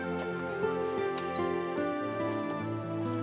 pertama kali kita ke kamar